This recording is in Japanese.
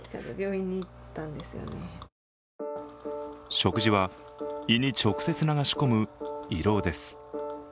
食事は胃に直接流し込む胃ろうです。